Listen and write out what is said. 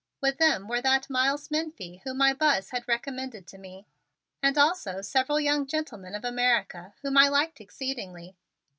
With them were that Miles Menefee whom my Buzz had recommended to me, and also several young gentlemen of America whom I liked exceedingly.